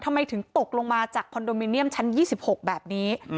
ทำไมถึงตกลงมาจากคอนโดมิเนียมชั้น๒๖แบบนี้